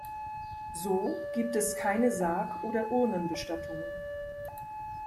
So gibt es keine Sarg- oder Urnenbestattungen.